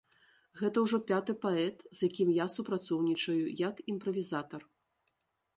Гэта ўжо пяты паэт, з якім я супрацоўнічаю, як імправізатар.